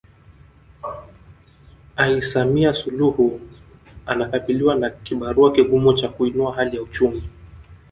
ais Samia Suluhu anakabiliwa na kibarua kigumu cha kuinua hali ya uchumi